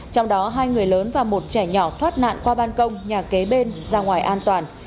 trong đó hai người lớn và một trẻ nhỏ thoát nạn qua ban công nhà kế bên ra ngoài an toàn